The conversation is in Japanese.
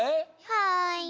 はい。